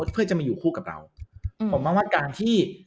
เพื่อจะมาอยู่คู่กับเราผมมองว่าการที่